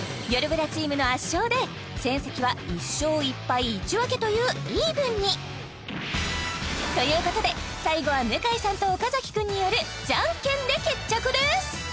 ブラチームの圧勝で戦績は一勝一敗一分というイーブンにということで最後は向井さんと岡君によるジャンケンで決着です！